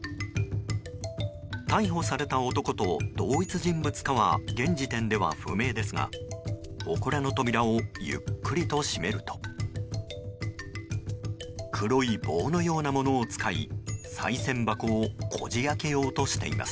逮捕された男と同一人物かは現時点では不明ですがほこらの扉をゆっくりと閉めると黒い棒のようなものを使いさい銭箱をこじ開けようとしています。